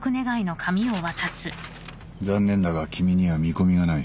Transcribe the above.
残念だが君には見込みがない。